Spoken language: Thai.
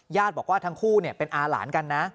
บอกว่าทั้งคู่เป็นอาหลานกันนะ